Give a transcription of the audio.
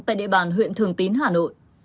tại địa bàn huyện thường tín hà nội